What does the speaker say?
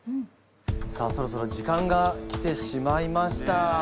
さあそろそろ時間が来てしまいました。